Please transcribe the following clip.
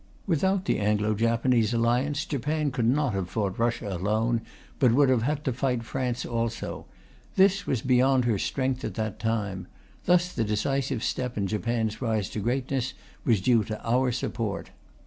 Without the Anglo Japanese Alliance, Japan could not have fought Russia alone, but would have had to fight France also. This was beyond her strength at that time. Thus the decisive step in Japan's rise to greatness was due to our support.